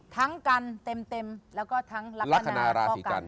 ทั้งกันเต็มแล้วก็ทั้งลักษณะข้อกัน